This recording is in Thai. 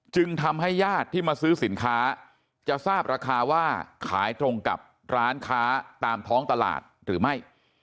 จึงทำให้ญาติที่มาซื้อสินค้าจะทราบราคาว่าขายตรงกับร้านค้าตามท้องตลาดหรือไม่